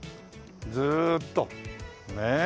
ずっと。ねえ！